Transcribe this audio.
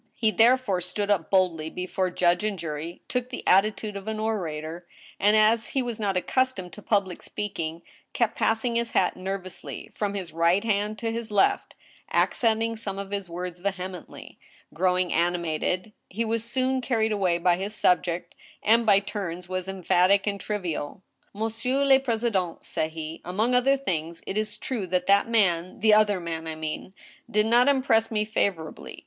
He therefore stood up boldly before judge and jury, took the attitude of an orator, and, as he was not accustomed to public speaking, kept passing his hat nervously from his right hand to his left, accenting some of his words vehemently. Growing animated, he was soon carried away by his subject, and by turns was em phatic and trivial. M<msi€ur le president,'* said he, among other things, "it is true that that man— the other man I mean — did not impress me fa« vorably. ...